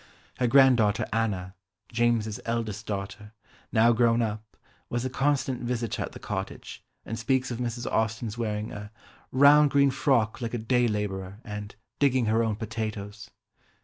Her granddaughter Anna, James's eldest daughter, now grown up, was a constant visitor at the cottage, and speaks of Mrs. Austen's wearing a "round green frock like a day labourer" and "digging her own potatoes."